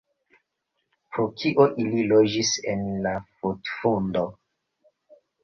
"Pro kio ili loĝis en la putfundo?"